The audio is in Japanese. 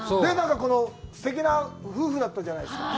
このすてきな夫婦だったじゃないですか。